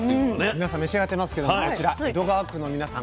皆さん召し上がってますけどこちら江戸川区の皆さん